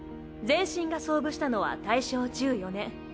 前身が創部したのは大正１４年。